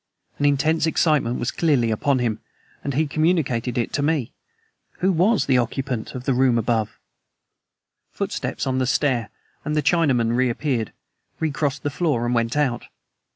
An intense excitement was clearly upon him, and he communicated it to me. Who was the occupant of the room above? Footsteps on the stair, and the Chinaman reappeared, recrossed the floor, and went out.